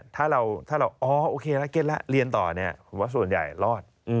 ถ้าเราอ๋อโอเคแล้วเก็ตแล้วเรียนต่อเนี่ยผมว่าส่วนใหญ่รอด